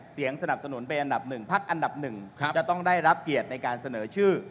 เสียงสนับสนุนเป็นอันดับหนึ่งพักอันดับหนึ่งจะต้องได้รับเกียรติในการเสนอชื่อ